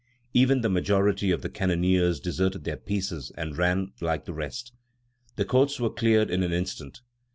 Even the majority of the cannoneers deserted their pieces and ran like the rest. The courts were cleared in an instant.